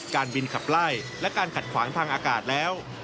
การบินขับไล่และการขัดขวางทางอากาศแล้ว